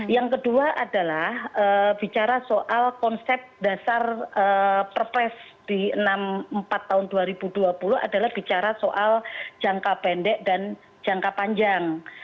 yang kedua adalah bicara soal konsep dasar perpres di empat tahun dua ribu dua puluh adalah bicara soal jangka pendek dan jangka panjang